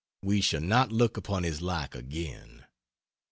We shall not look upon his like again....